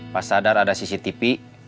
pas sadar ada cctv